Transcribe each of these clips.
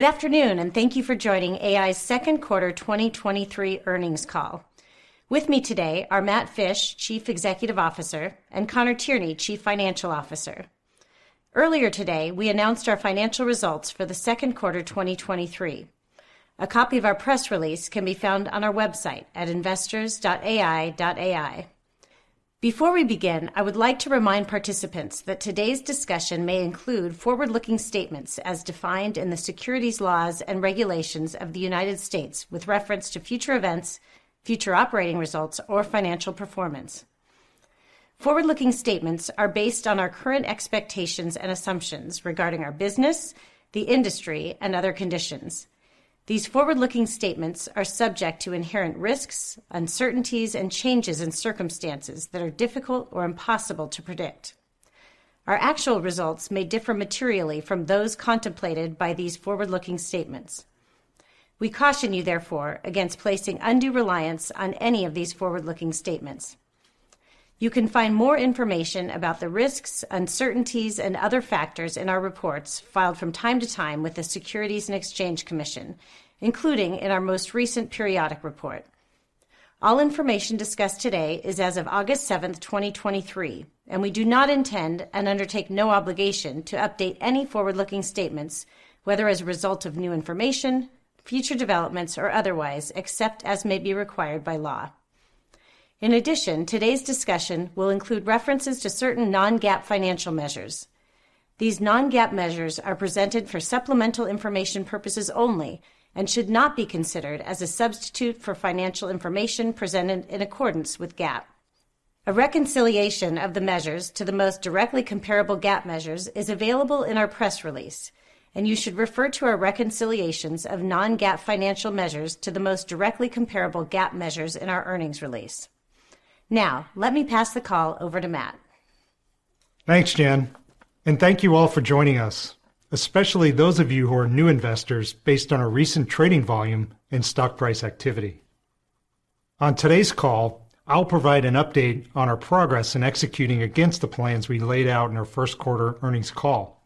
Good afternoon, and thank you for joining AEye's second quarter 2023 earnings call. With me today are Matt Fisch, Chief Executive Officer, and Conor Tierney, Chief Financial Officer. Earlier today, we announced our financial results for the second quarter, 2023. A copy of our press release can be found on our website at investors.aeye.ai. Before we begin, I would like to remind participants that today's discussion may include forward-looking statements as defined in the securities laws and regulations of the United States with reference to future events, future operating results, or financial performance. Forward-looking statements are based on our current expectations and assumptions regarding our business, the industry, and other conditions. These forward-looking statements are subject to inherent risks, uncertainties, and changes in circumstances that are difficult or impossible to predict. Our actual results may differ materially from those contemplated by these forward-looking statements. We caution you, therefore, against placing undue reliance on any of these forward-looking statements. You can find more information about the risks, uncertainties, and other factors in our reports filed from time to time with the Securities and Exchange Commission, including in our most recent periodic report. All information discussed today is as of August seventh, 2023, and we do not intend and undertake no obligation to update any forward-looking statements, whether as a result of new information, future developments, or otherwise, except as may be required by law. In addition, today's discussion will include references to certain non-GAAP financial measures. These non-GAAP measures are presented for supplemental information purposes only and should not be considered as a substitute for financial information presented in accordance with GAAP. A reconciliation of the measures to the most directly comparable GAAP measures is available in our press release. You should refer to our reconciliations of non-GAAP financial measures to the most directly comparable GAAP measures in our earnings release. Now, let me pass the call over to Matt. Thanks, Jen, and thank you all for joining us, especially those of you who are new investors based on our recent trading volume and stock price activity. On today's call, I'll provide an update on our progress in executing against the plans we laid out in our first quarter earnings call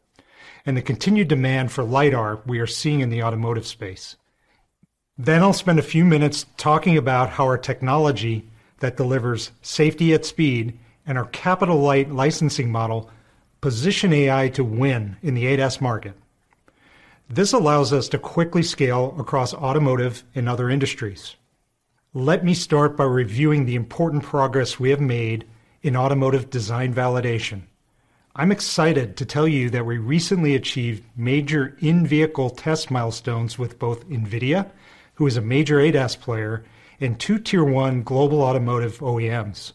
and the continued demand for lidar we are seeing in the automotive space. I'll spend a few minutes talking about how our technology that delivers safety at speed and our capital-light licensing model position AEye to win in the ADAS market. This allows us to quickly scale across automotive and other industries. Let me start by reviewing the important progress we have made in automotive design validation. I'm excited to tell you that we recently achieved major in-vehicle test milestones with both NVIDIA, who is a major ADAS player, and 2 Tier 1 global automotive OEMs.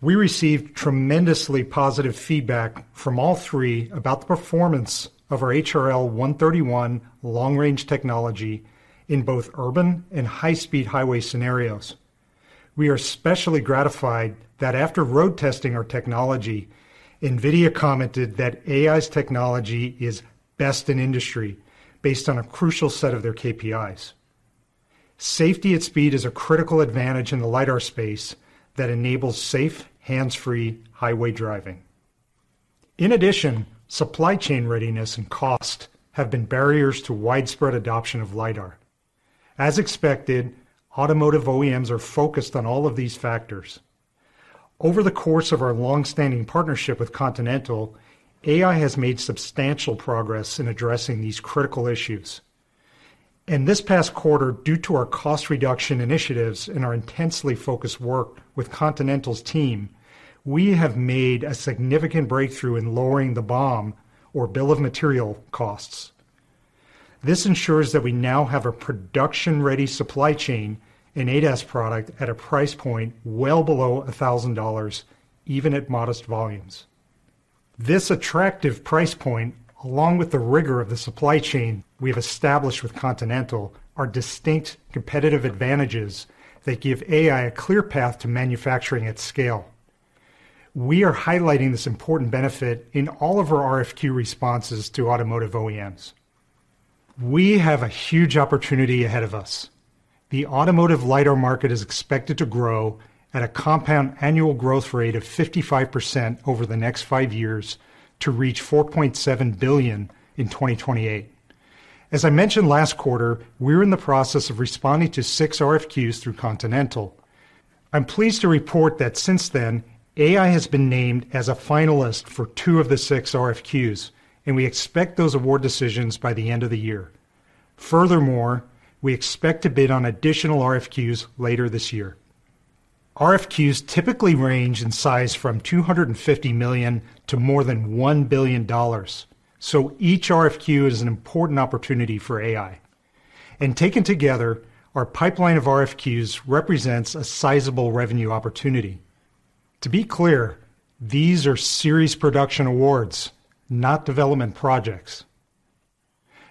We received tremendously positive feedback from all three about the performance of our HRL131 long-range technology in both urban and high-speed highway scenarios. We are especially gratified that after road testing our technology, NVIDIA commented that AEye's technology is best in industry based on a crucial set of their KPIs. Safety at speed is a critical advantage in the lidar space that enables safe, hands-free highway driving. In addition, supply chain readiness and cost have been barriers to widespread adoption of lidar. As expected, automotive OEMs are focused on all of these factors. Over the course of our long-standing partnership with Continental, AEye has made substantial progress in addressing these critical issues. In this past quarter, due to our cost reduction initiatives and our intensely focused work with Continental's team, we have made a significant breakthrough in lowering the BOM, or bill of material, costs. This ensures that we now have a production-ready supply chain and ADAS product at a price point well below $1,000, even at modest volumes. This attractive price point, along with the rigor of the supply chain we have established with Continental, are distinct competitive advantages that give AEye a clear path to manufacturing at scale. We are highlighting this important benefit in all of our RFQ responses to automotive OEMs. We have a huge opportunity ahead of us. The automotive lidar market is expected to grow at a compound annual growth rate of 55% over the next five years to reach $4.7 billion in 2028. As I mentioned last quarter, we're in the process of responding to six RFQs through Continental. I'm pleased to report that since then, AEye has been named as a finalist for two of the 6 RFQs, and we expect those award decisions by the end of the year. Furthermore, we expect to bid on additional RFQs later this year. RFQs typically range in size from $250 million to more than $1 billion, so each RFQ is an important opportunity for AEye. Taken together, our pipeline of RFQs represents a sizable revenue opportunity. To be clear, these are series production awards, not development projects.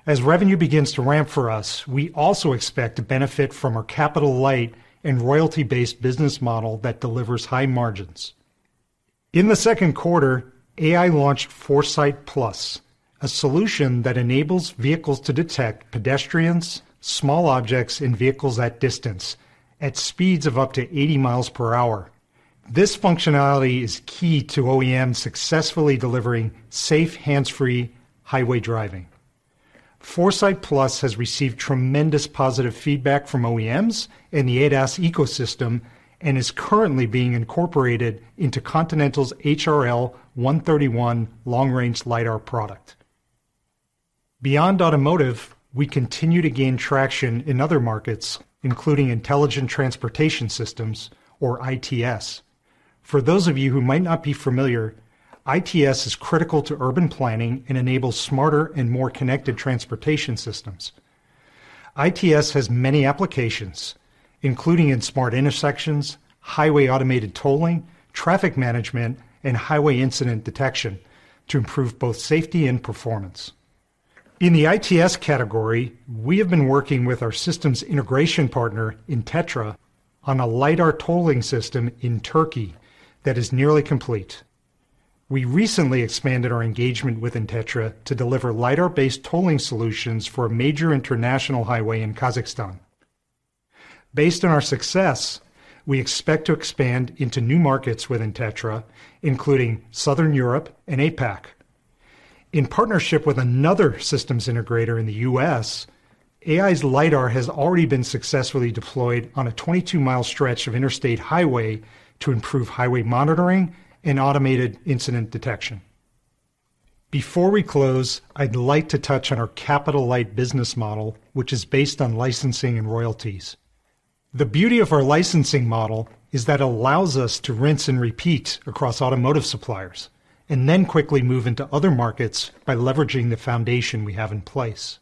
As revenue begins to ramp for us, we also expect to benefit from our capital-light and royalty-based business model that delivers high margins. In the second quarter, AEye launched 4Sight+, a solution that enables vehicles to detect pedestrians, small objects, and vehicles at distance at speeds of up to 80 miles per hour.... This functionality is key to OEMs successfully delivering safe, hands-free highway driving. 4Sight+ has received tremendous positive feedback from OEMs in the ADAS ecosystem and is currently being incorporated into Continental's HRL131 long-range lidar product. Beyond automotive, we continue to gain traction in other markets, including intelligent transportation systems, or ITS. For those of you who might not be familiar, ITS is critical to urban planning and enables smarter and more connected transportation systems. ITS has many applications, including in smart intersections, highway automated tolling, traffic management, and highway incident detection to improve both safety and performance. In the ITS category, we have been working with our systems integration partner, Intetra, on a lidar tolling system in Turkey that is nearly complete. We recently expanded our engagement with Intetra to deliver lidar-based tolling solutions for a major international highway in Kazakhstan. Based on our success, we expect to expand into new markets with Intetra, including Southern Europe and APAC. In partnership with another systems integrator in the U.S., AEye's lidar has already been successfully deployed on a 22-mil stretch of interstate highway to improve highway monitoring and automated incident detection. Before we close, I'd like to touch on our capital-light business model, which is based on licensing and royalties. The beauty of our licensing model is that it allows us to rinse and repeat across automotive suppliers, and then quickly move into other markets by leveraging the foundation we have in place.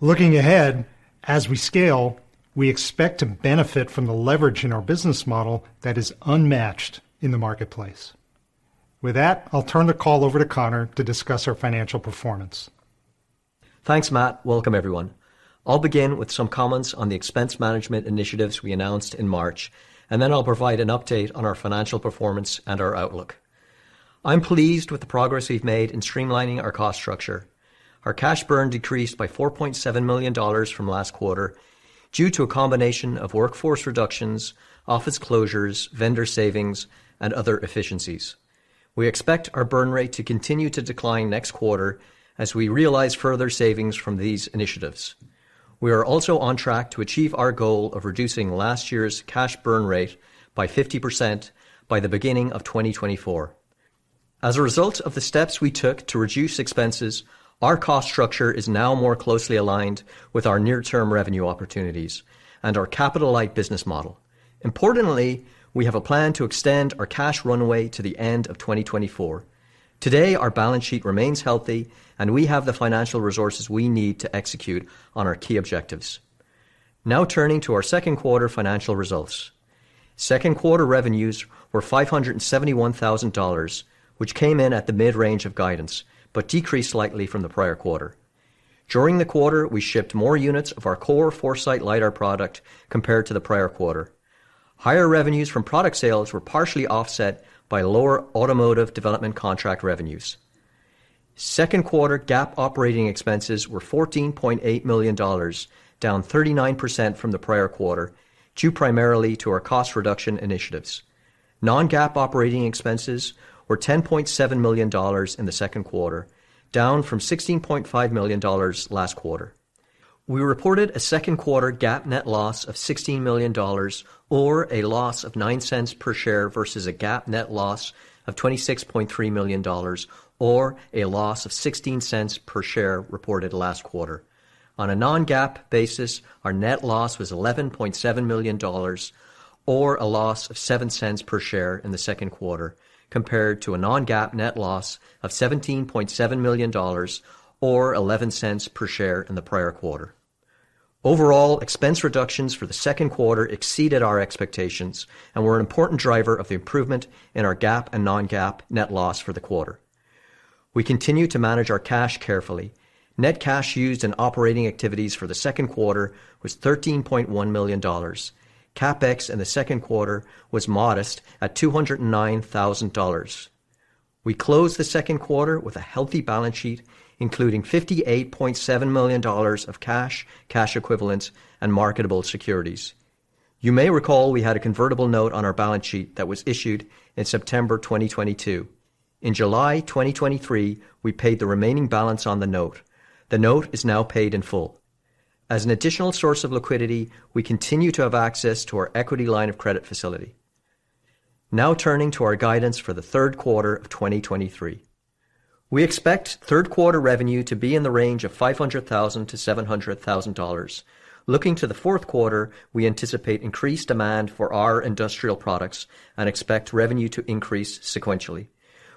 Looking ahead, as we scale, we expect to benefit from the leverage in our business model that is unmatched in the marketplace. With that, I'll turn the call over to Conor to discuss our financial performance. Thanks, Matt. Welcome, everyone. I'll begin with some comments on the expense management initiatives we announced in March, and then I'll provide an update on our financial performance and our outlook. I'm pleased with the progress we've made in streamlining our cost structure. Our cash burn decreased by $4.7 million from last quarter due to a combination of workforce reductions, office closures, vendor savings, and other efficiencies. We expect our burn rate to continue to decline next quarter as we realize further savings from these initiatives. We are also on track to achieve our goal of reducing last year's cash burn rate by 50% by the beginning of 2024. As a result of the steps we took to reduce expenses, our cost structure is now more closely aligned with our near-term revenue opportunities and our capital-light business model. Importantly, we have a plan to extend our cash runway to the end of 2024. Today, our balance sheet remains healthy, and we have the financial resources we need to execute on our key objectives. Now turning to our second quarter financial results. Second quarter revenues were $571,000, which came in at the mid-range of guidance, but decreased slightly from the prior quarter. During the quarter, we shipped more units of our core 4Sight lidar product compared to the prior quarter. Higher revenues from product sales were partially offset by lower automotive development contract revenues. Second quarter GAAP operating expenses were $14.8 million, down 39% from the prior quarter, due primarily to our cost reduction initiatives. Non-GAAP operating expenses were $10.7 million in the second quarter, down from $16.5 million last quarter. We reported a second quarter GAAP net loss of $16 million, or a loss of $0.09 per share, versus a GAAP net loss of $26.3 million, or a loss of $0.16 per share reported last quarter. On a non-GAAP basis, our net loss was $11.7 million or a loss of $0.07 per share in the second quarter, compared to a non-GAAP net loss of $17.7 million or $0.11 per share in the prior quarter. Overall, expense reductions for the second quarter exceeded our expectations and were an important driver of the improvement in our GAAP and non-GAAP net loss for the quarter. We continued to manage our cash carefully. Net cash used in operating activities for the second quarter was $13.1 million. CapEx in the second quarter was modest, at $209,000. We closed the second quarter with a healthy balance sheet, including $58.7 million of cash, cash equivalents, and marketable securities. You may recall we had a convertible note on our balance sheet that was issued in September 2022. In July 2023, we paid the remaining balance on the note. The note is now paid in full. As an additional source of liquidity, we continue to have access to our equity line of credit facility. Turning to our guidance for the third quarter of 2023. We expect third quarter revenue to be in the range of $500,000-$700,000. Looking to the fourth quarter, we anticipate increased demand for our industrial products and expect revenue to increase sequentially.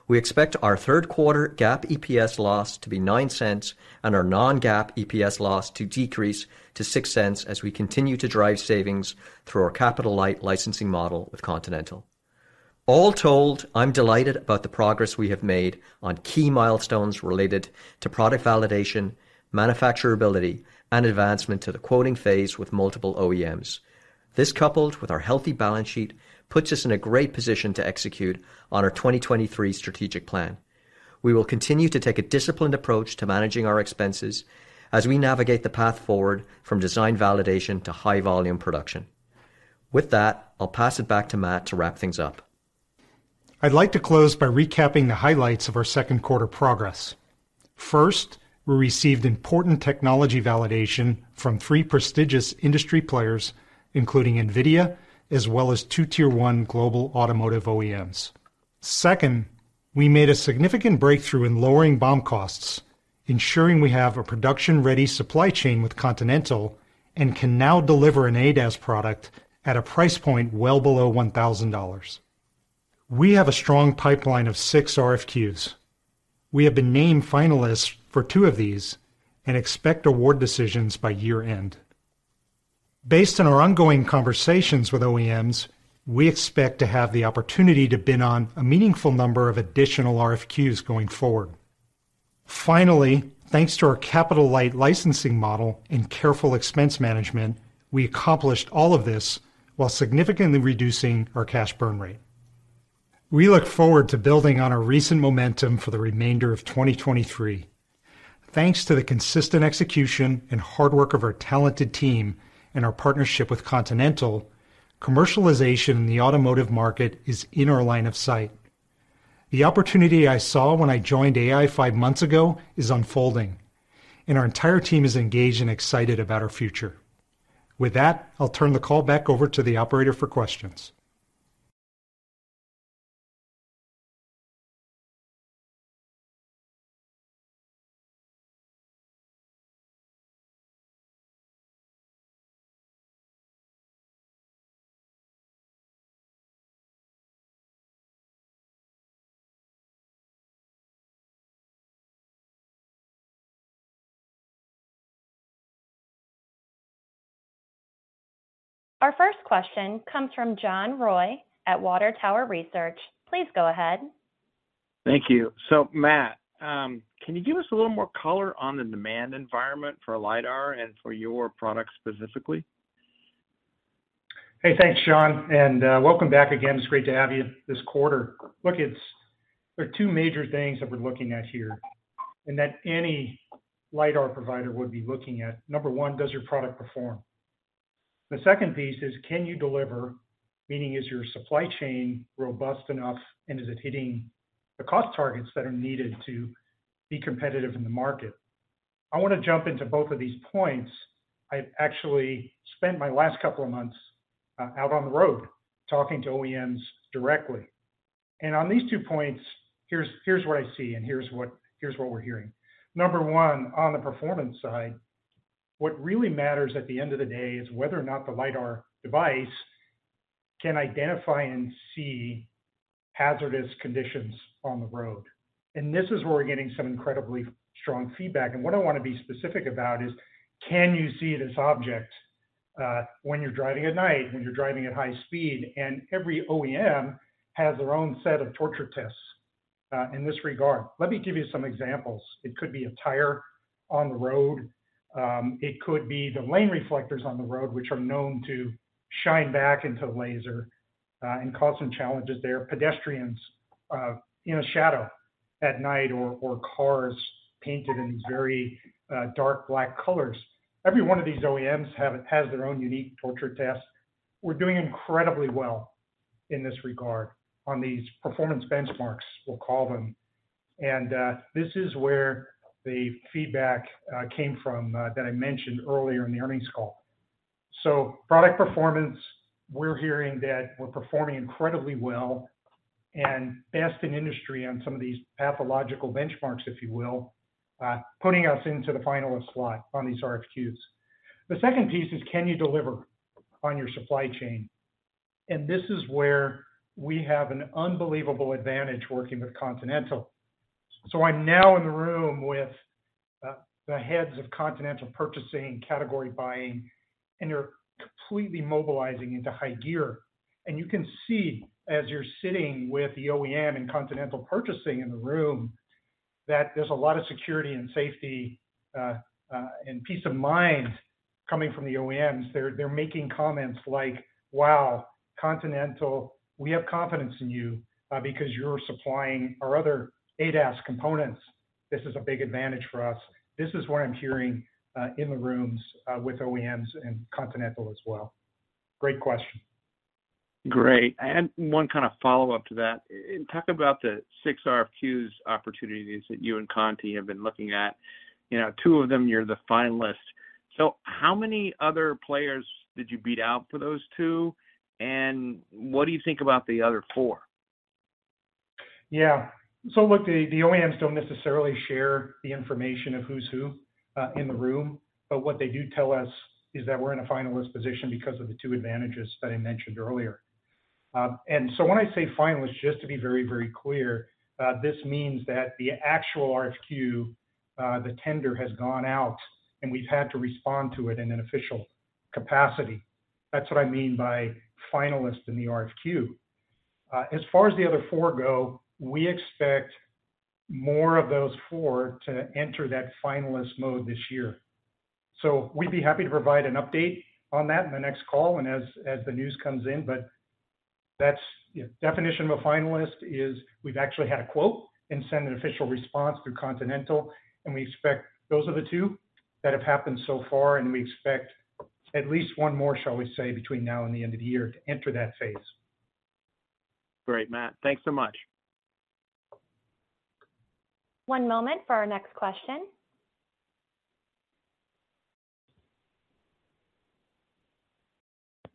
We expect our third quarter GAAP EPS loss to be $0.09 and our non-GAAP EPS loss to decrease to $0.06 as we continue to drive savings through our capital-light licensing model with Continental. All told, I'm delighted about the progress we have made on key milestones related to product validation, manufacturability, and advancement to the quoting phase with multiple OEMs. This, coupled with our healthy balance sheet, puts us in a great position to execute on our 2023 strategic plan. We will continue to take a disciplined approach to managing our expenses as we navigate the path forward from design validation to high-volume production. With that, I'll pass it back to Matt to wrap things up. ... I'd like to close by recapping the highlights of our second quarter progress. First, we received important technology validation from three prestigious industry players, including NVIDIA, as well as two Tier 1 global automotive OEMs. Second, we made a significant breakthrough in lowering BOM costs, ensuring we have a production-ready supply chain with Continental, and can now deliver an ADAS product at a price point well below $1,000. We have a strong pipeline of six RFQs. We have been named finalists for two of these and expect award decisions by year-end. Based on our ongoing conversations with OEMs, we expect to have the opportunity to bid on a meaningful number of additional RFQs going forward. Finally, thanks to our capital-light licensing model and careful expense management, we accomplished all of this while significantly reducing our cash burn rate. We look forward to building on our recent momentum for the remainder of 2023. Thanks to the consistent execution and hard work of our talented team and our partnership with Continental, commercialization in the automotive market is in our line of sight. The opportunity I saw when I joined AEye five months ago is unfolding, and our entire team is engaged and excited about our future. With that, I'll turn the call back over to the operator for questions. Our first question comes from John Roy at Water Tower Research. Please go ahead. Thank you. Matt, can you give us a little more color on the demand environment for lidar and for your product specifically? Hey, thanks, John, welcome back again. It's great to have you this quarter. Look, there are two major things that we're looking at here and that any lidar provider would be looking at. Number 1, does your product perform? The second piece is can you deliver? Meaning, is your supply chain robust enough, and is it hitting the cost targets that are needed to be competitive in the market? I want to jump into both of these points. I've actually spent my last couple of months out on the road talking to OEMs directly. On these 2 points, here's what I see and here's what we're hearing. Number 1, on the performance side, what really matters at the end of the day is whether or not the lidar device can identify and see hazardous conditions on the road. This is where we're getting some incredibly strong feedback. What I want to be specific about is, can you see this object when you're driving at night, when you're driving at high speed? Every OEM has their own set of torture tests in this regard. Let me give you some examples. It could be a tire on the road. It could be the lane reflectors on the road, which are known to shine back into the laser and cause some challenges there. Pedestrians in a shadow at night or cars painted in these very dark black colors. Every one of these OEMs has their own unique torture test. We're doing incredibly well in this regard on these performance benchmarks, we'll call them. This is where the feedback came from that I mentioned earlier in the earnings call. Product performance, we're hearing that we're performing incredibly well and best in industry on some of these pathological benchmarks, if you will, putting us into the finalist slot on these RFQs. The second piece is, can you deliver on your supply chain? This is where we have an unbelievable advantage working with Continental. I'm now in the room with the heads of Continental Purchasing and Category Buying, and they're completely mobilizing into high gear. You can see, as you're sitting with the OEM and Continental Purchasing in the room, that there's a lot of security and safety and peace of mind coming from the OEMs. They're, they're making comments like, "Wow, Continental, we have confidence in you, because you're supplying our other ADAS components. This is a big advantage for us." This is what I'm hearing, in the rooms, with OEMs and Continental as well. Great question. Great. I had one kind of follow-up to that. talk about the six RFQs opportunities that you and Conti have been looking at. You know, two of them, you're the finalist. How many other players did you beat out for those two, and what do you think about the other four? Yeah. Look, the OEMs don't necessarily share the information of who's who in the room, what they do tell us is that we're in a finalist position because of the two advantages that I mentioned earlier. When I say finalist, just to be very, very clear, this means that the actual RFQ, the tender has gone out, and we've had to respond to it in an official capacity. That's what I mean by finalist in the RFQ. As far as the other 4 go, we expect more of those four to enter that finalist mode this year. We'd be happy to provide an update on that in the next call and as the news comes in. That's... yeah, definition of a finalist is we've actually had a quote and sent an official response through Continental. We expect those are the two that have happened so far. We expect at least one more, shall we say, between now and the end of the year to enter that phase. Great, Matt. Thanks so much. One moment for our next question.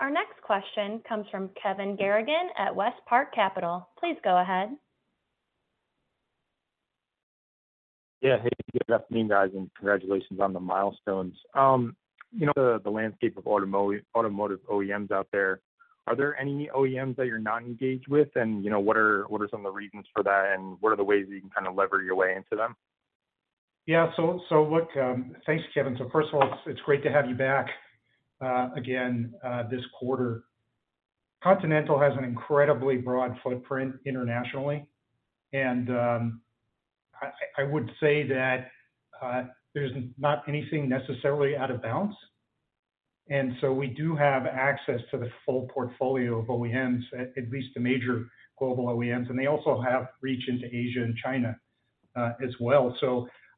Our next question comes from Kevin Garrigan at WestPark Capital. Please go ahead. Yeah. Hey, good afternoon, guys, and congratulations on the milestones. You know, the landscape of automotive OEMs out there, are there any OEMs that you're not engaged with? You know, what are, what are some of the reasons for that, and what are the ways that you can kind of lever your way into them? Yeah, so, so look, thanks, Kevin. First of all, it's, it's great to have you back again this quarter. Continental has an incredibly broad footprint internationally, and I, I, I would say that there's not anything necessarily out of bounds. We do have access to the full portfolio of OEMs, at, at least the major global OEMs, and they also have reach into Asia and China as well.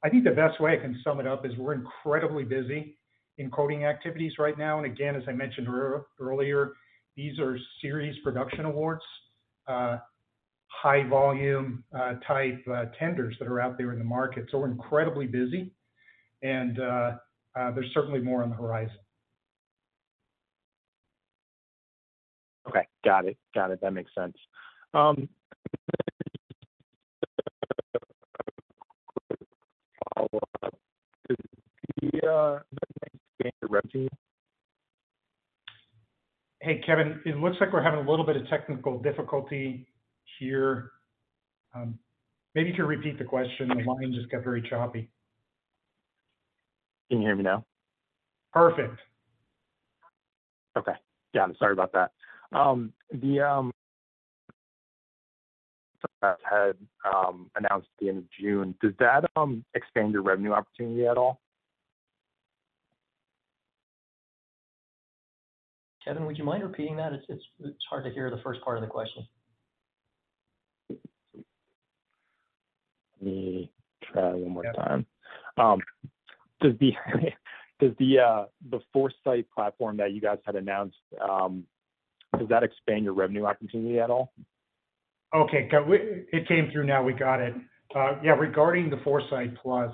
I think the best way I can sum it up is we're incredibly busy in quoting activities right now. Again, as I mentioned ear-earlier, these are series production awards, high volume type tenders that are out there in the market. We're incredibly busy, and there's certainly more on the horizon. Okay, got it. Got it. That makes sense. Follow up. Does the expand your revenue? Hey, Kevin, it looks like we're having a little bit of technical difficulty here. Maybe if you repeat the question. The line just got very choppy. Can you hear me now? Perfect. Okay. Yeah, I'm sorry about that. The had announced the end of June. Does that expand your revenue opportunity at all? Kevin, would you mind repeating that? It's, it's, it's hard to hear the first part of the question. Let me try one more time. Yeah. Does the, does the, the 4Sight platform that you guys had announced, does that expand your revenue opportunity at all? Okay, Go- we-- it came through now. We got it. Yeah, regarding the 4Sight+,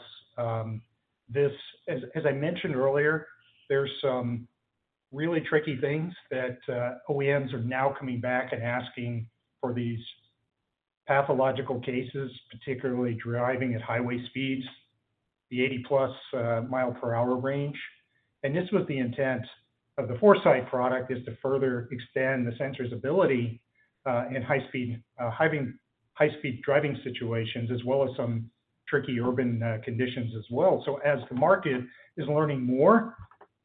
this... As, as I mentioned earlier, there's some really tricky things that OEMs are now coming back and asking for these pathological cases, particularly driving at highway speeds, the 80+ mile-per-hour range. This was the intent of the 4Sight product, is to further extend the sensor's ability in high speed, hiving-- high-speed driving situations, as well as some tricky urban conditions as well. As the market is learning more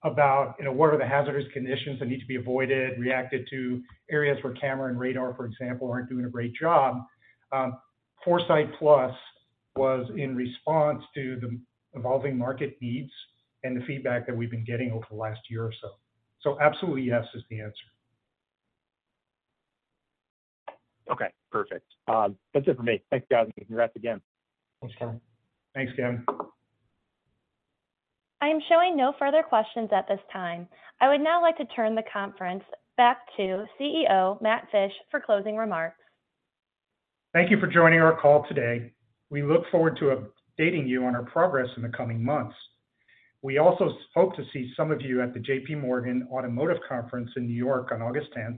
about, you know, what are the hazardous conditions that need to be avoided, reacted to, areas where camera and radar, for example, aren't doing a great job, 4Sight+ was in response to the evolving market needs and the feedback that we've been getting over the last year or so. Absolutely yes, is the answer. Okay, perfect. That's it for me. Thanks, guys, congrats again. Thanks, Kevin. Thanks, Kevin. I am showing no further questions at this time. I would now like to turn the conference back to CEO, Matt Fisch, for closing remarks. Thank you for joining our call today. We look forward to updating you on our progress in the coming months. We also hope to see some of you at the J.P. Morgan Auto Conference in New York on August 10th,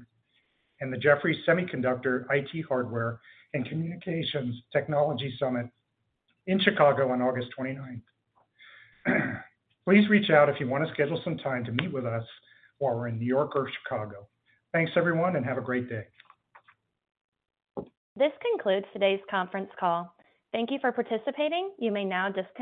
and the Jefferies Semiconductor, IT Hardware & Communications Technology Summit in Chicago on August 29th. Please reach out if you want to schedule some time to meet with us while we're in New York or Chicago. Thanks, everyone, and have a great day. This concludes today's conference call. Thank you for participating. You may now disconnect.